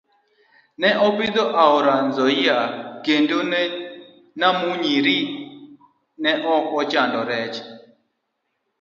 Ne opidho aora Nzoia kendo jo Namunyiri ne ok ochando rech.